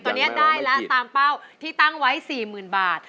ตอนนี้ได้แล้วตามเป้าที่ตั้งไว้๔๐๐๐บาท